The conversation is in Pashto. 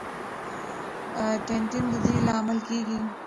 ټینین د دې لامل کېږي.